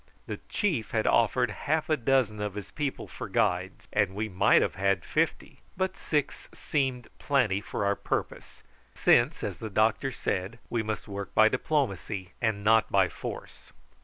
The chief had offered half a dozen of his people for guides, and we might have had fifty; but six seemed plenty for our purpose, since, as the doctor said, we must work by diplomacy and not by force.